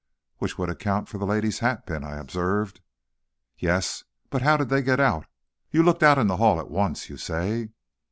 "Which would account for the lady's hatpin," I observed. "Yes; but how did they get out? You looked out in the hall, at once, you say?"